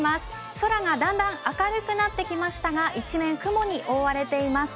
空がだんだん明るくなってきましたが一面雲に覆われています。